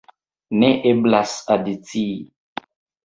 Ne eblas adicii.